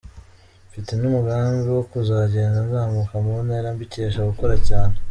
Mfite n’umugambi wo kuzagenda nzamuka mu ntera, mbikesha gukora cyane.